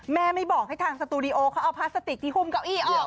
แม่ไม่บอกให้ทางสตูดิโอเขาเอาพลาสติกที่หุ้มเก้าอี้ออก